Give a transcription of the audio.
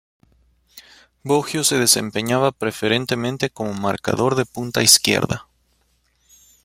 Boggio se desempeñaba preferentemente como marcador de punta izquierda.